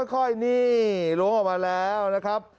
ค่อยนี่ล้วงออกมาแล้วนะครับ